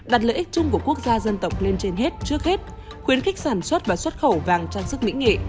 đặt lợi ích chung của quốc gia dân tộc lên trên hết trước hết khuyến khích sản xuất và xuất khẩu vàng trang sức mỹ nghệ